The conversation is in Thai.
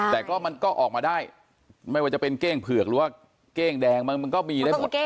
แต่ก็มันก็ออกมาได้ไม่ว่าจะเป็นเก้งเผือกหรือว่าเก้งแดงมันก็มีได้หมด